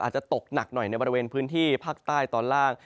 อาจจะตกหนักหน่อยในบริเวณพื้นที่ภาคใต้ตอนล่าง